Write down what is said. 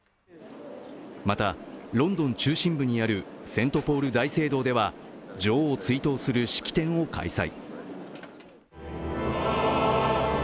また、ロンドン中心部にあるセントポール大聖堂では女王を追悼する式典を開催。